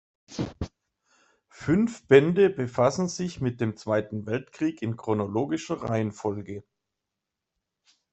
Fünf Bände befassen sich mit dem Zweiten Weltkrieg in chronologischer Reihenfolge.